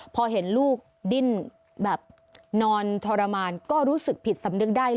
พอเห็นลูกดิ้นแบบนอนทรมานก็รู้สึกผิดสำนึกได้